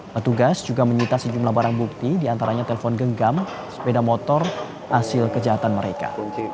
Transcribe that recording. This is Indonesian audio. petugas juga menyita sejumlah barang bukti diantaranya telpon genggam sepeda motor hasil kejahatan mereka